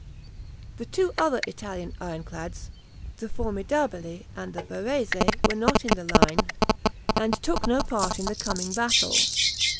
The two other Italian ironclads, the "Formidabile" and the "Varese," were not in the line, and took no part in the coming battle.